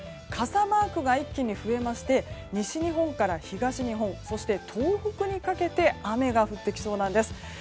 傘マークが一気に増えまして西日本から東日本そして東北にかけて雨が降ってきそうなんです。